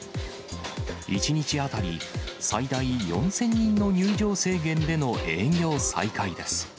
１日当たり最大４０００人の入場制限での営業再開です。